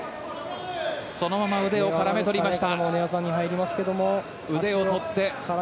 そのまま腕を絡め取りました。